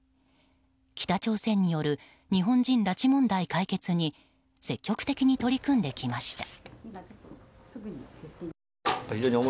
北朝鮮による日本人拉致問題解決に積極的に取り組んできました。